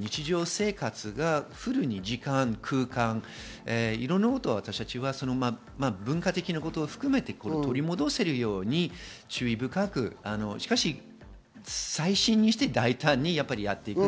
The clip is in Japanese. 日常生活がフルに時間、空間、いろんなこと、文化的なことを含めて取り戻せるように注意深く、しかし細心にして大胆にやっていく